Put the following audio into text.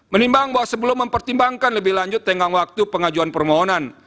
menimbang bahwa sebelum mempertimbangkan lebih lanjut tenggang waktu pengajuan permohonan